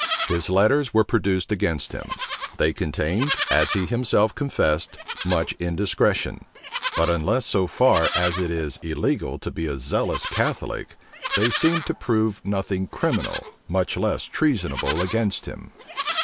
His letters were produced against him. They contained, as he himself confessed, much indiscretion: but unless so far as it is illegal to be a zealous Catholic, they seemed to prove nothing criminal, much less treasonable against him.